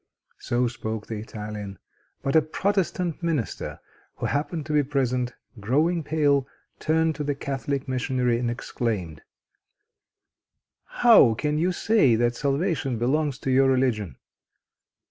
So spoke the Italian. But a Protestant minister, who happened to be present, growing pale, turned to the Catholic missionary and exclaimed: "How can you say that salvation belongs to your religion?